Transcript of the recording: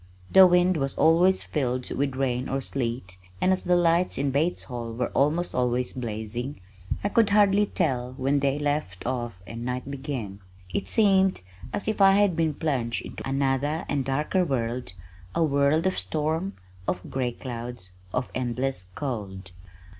The wind was always filled with rain or sleet, and as the lights in Bates' Hall were almost always blazing, I could hardly tell when day left off and night began. It seemed as if I had been plunged into another and darker world, a world of storm, of gray clouds, of endless cold.